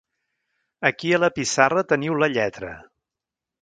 Aquí a la pissarra teniu la lletra.